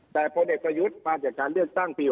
แต่พอเด็กประยุทธ์มาจากการเรียนสร้างปี๖๒